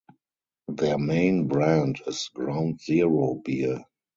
Their main brand is Ground Zero Beer.